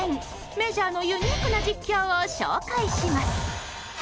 メジャーのユニークな実況を紹介します。